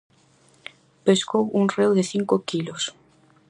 Pescou un reo de cinco quilos.